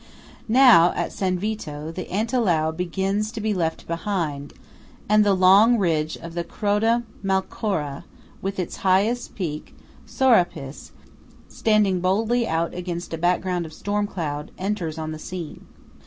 Now, at San Vito, the Antelao begins to be left behind, and the long ridge of the Croda Malcora, with its highest peak, Sorapis, standing boldly out against a background of storm cloud, enters on the scene.